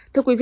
thưa quý vị